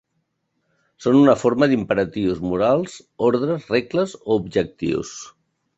Són una forma d'imperatius morals, ordres, regles o objectius.